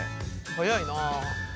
早いな。